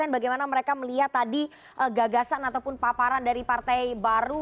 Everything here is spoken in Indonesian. bagaimana mereka melihat tadi gagasan ataupun paparan dari partai baru